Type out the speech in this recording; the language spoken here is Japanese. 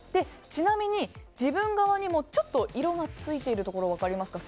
ちなみに、自分側にもちょっと色がついているところ分かりますか？